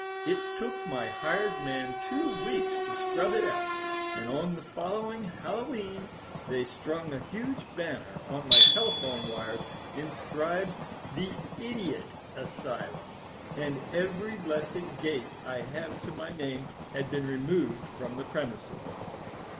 It took my hired man two weeks to scrub it out. And on the following Hallowe'en they strung a huge banner on my telephone wires, inscribed 'The Idiot Asylum,' and every blessed gate I have to my name had been removed from the premises."